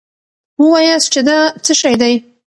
وواياست چې دا څه شی دی.